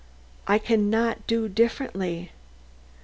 I can not do differently.